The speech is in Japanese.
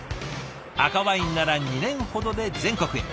赤ワインなら２年ほどで全国へ。